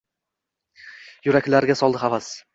Yuraklarga soldi havas.